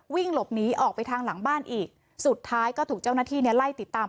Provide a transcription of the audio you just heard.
วิ่งหลบหนีออกไปทางหลังบ้านอีกสุดท้ายก็ถูกเจ้าหน้าที่เนี่ยไล่ติดตาม